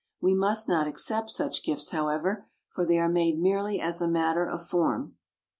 We must not accept such gifts, however, for they are made merely as a matter of form.